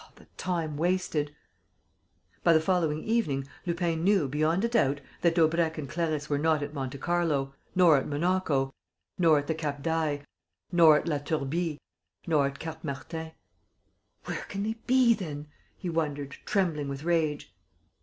Oh, the time wasted! By the following evening, Lupin knew, beyond a doubt, that Daubrecq and Clarisse were not at Monte Carlo, nor at Monaco, nor at the Cap d'Ail, nor at La Turbie, nor at Cap Martin. "Where can they be then?" he wondered, trembling with rage.